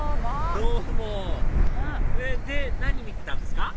どうもで何見てたんですか？